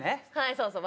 そうそう。